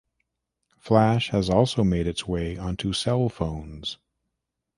Flash has also made its way onto cell phones.